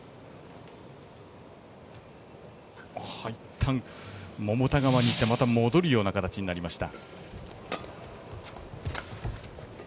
いったん、桃田側にいってまた戻るような形になりました。